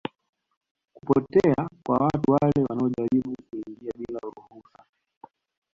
kupotea kwa watu wale wanaojaribu kuingia bila ruhusu